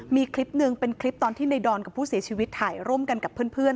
มีคลิปหนึ่งเป็นคลิปตอนที่ในดอนกับผู้เสียชีวิตถ่ายร่วมกันกับเพื่อน